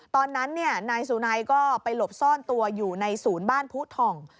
ตอนนั้นนายสุนัยก็ไปหลบซ่อนตัวอยู่ในศูนย์บ้านผู้ถ่อง